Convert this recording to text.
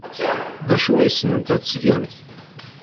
D acu ay ssnent ad t-gent?